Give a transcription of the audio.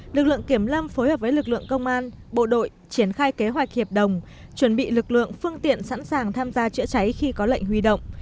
lực lượng kiểm lâm phối hợp với lực lượng công an bộ đội triển khai kế hoạch hiệp đồng chuẩn bị lực lượng phương tiện sẵn sàng tham gia chữa cháy khi có lệnh huy động